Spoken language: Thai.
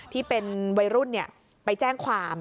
ที่เป็นวัยรุ่นไปแจ้งความ